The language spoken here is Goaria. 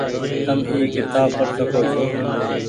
تم اي ڪتاب پڙ سکو ڇو۔